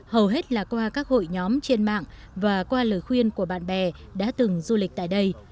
hầu hết là qua các hội nhóm trên mạng và qua lời khuyên của bạn bè đã từng du lịch tại đây